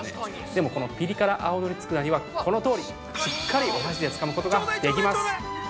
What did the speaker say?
でもこのピリカラ青のり佃煮はこのとおり、しっかりお箸でつかむことができます。